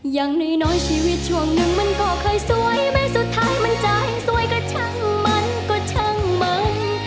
อย่างน้อยชีวิตช่วงหนึ่งมันก็เคยสวยไหมสุดท้ายมันจะให้สวยก็ช่างมันก็ช่างมัน